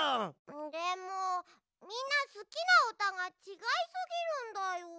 でもみんなすきなうたがちがいすぎるんだよ。